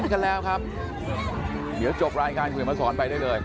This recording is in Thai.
เล่นกันแล้วครับเดี๋ยวจบรายการข่วยมาสอนไปได้เลย